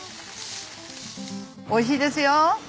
おいしいですよ。